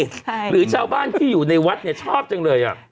ใช่หรือชาวบ้านที่อยู่ในวัดเนี่ยชอบจังเลยอ่ะ